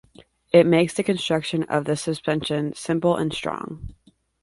It makes the construction of the suspension simple and strong.